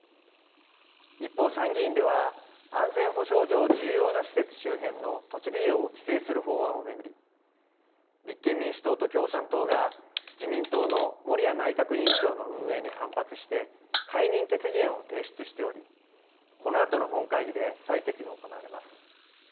一方、参議院では安全保障上、重要な施設周辺の土地利用を規制する法案を巡り、立憲民主党と共産党が、自民党の森屋内閣委員長の運営に反発して、解任決議案を提出しており、このあとの本会議で採決が行われます。